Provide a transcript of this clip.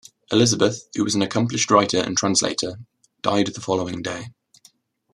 Elizabeth, who was an accomplished writer and translator, died the following day.